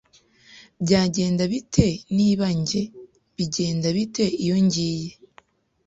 Byagenda bite niba njye, bigenda bite iyo ngiye